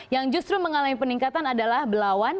yang justru mengalami peningkatan adalah belawan